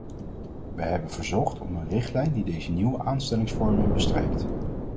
We hebben verzocht om een richtlijn die deze nieuwe aanstellingsvormen bestrijkt.